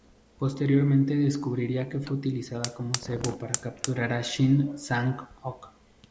Posteriormente descubriría que fue utilizada como cebo para capturar a Shin Sang-ok.